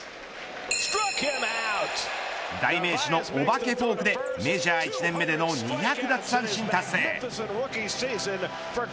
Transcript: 代名詞のお化けフォークでメジャー１年目での２００奪三振達成。